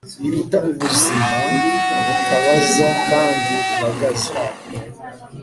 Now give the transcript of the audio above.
biruta ubuzima butabaza kandi buhagaze